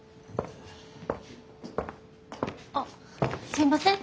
あっすいません